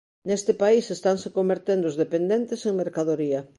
Neste país estanse convertendo os dependentes en mercadoría.